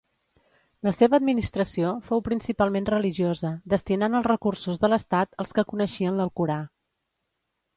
La seva administració fou principalment religiosa, destinant els recursos de l'estat als que coneixien l'Alcorà.